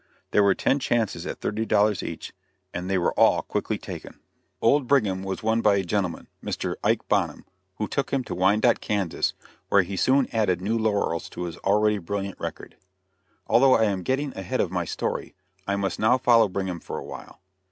There were ten chances at thirty dollars each, and they were all quickly taken. Old Brigham was won by a gentleman Mr. Ike Bonham, who took him to Wyandotte, Kansas, where he soon added new laurels to his already brilliant record. Although I am getting ahead of my story, I must now follow Brigham for a while.